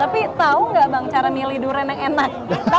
tapi tau gak cara milih durian yang enak